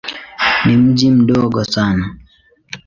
Ni mji mdogo sana.